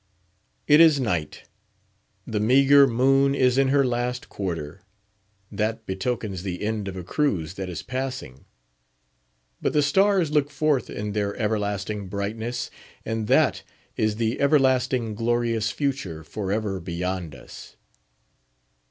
It is night. The meagre moon is in her last quarter—that betokens the end of a cruise that is passing. But the stars look forth in their everlasting brightness—and that is the everlasting, glorious Future, for ever beyond us.